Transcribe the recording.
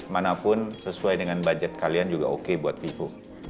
manapun sesuai dengan budget kalian juga oke buat vivo